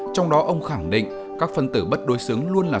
trong đó ông khẳng định các phân tử bất đối xứng luôn là